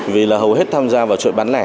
vì là hầu hết tham gia vào chuỗi bán lẻ